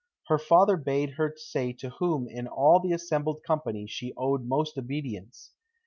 Her father bade her say to whom in all the assembled company she owed most obedience.